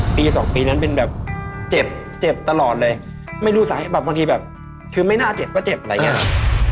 ปีสองปีนั้นเป็นแบบเจ็บเจ็บตลอดเลยไม่รู้สาเหตุแบบบางทีแบบคือไม่น่าเจ็บก็เจ็บอะไรอย่างเงี้ครับ